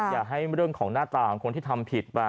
อยากให้เรื่องของหน้าตาคนที่ทำผิด